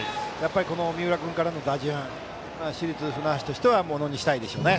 三浦君からの打順市立船橋としてはものにしたいでしょうね。